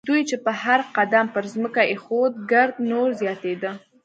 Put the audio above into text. دوی چې به هر قدم پر ځمکه اېښود ګرد نور زیاتېده.